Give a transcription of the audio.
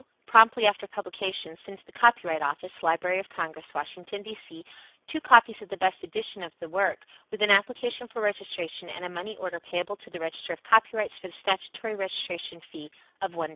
Promptly after publication, send to the Copyright Office, Library of Congress, Washington, D. C., two copies of the best edition of the work, with an application for registration and a money order payable to the Register of Copyrights for the statutory registration fee of $l.